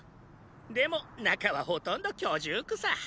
でも中はほとんど居住区さ。